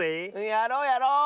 やろうやろう！